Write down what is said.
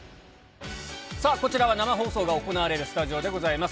さあこちらは生放送が行われるスタジオでございます。